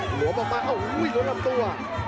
หวมออกมาโอ้โหล้วนลำตัว